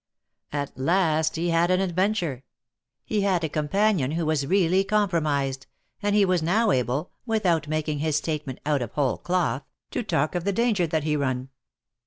At last he had an adventure ; he had a companion who was really compromised, and he was now able, without making his statement out of whole cloth, to talk of the danger that he run.